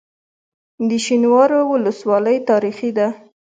د شینوارو ولسوالۍ تاریخي ده